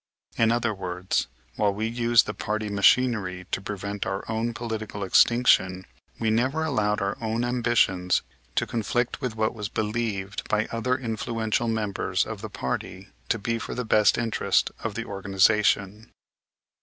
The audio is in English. In other words, while we used the party machinery to prevent our own political extinction we never allowed our own ambitions to conflict with what was believed by other influential members of the party to be for the best interest of the organization.